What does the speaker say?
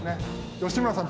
吉村さん